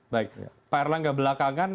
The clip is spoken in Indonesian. baik pak erlangga belakangan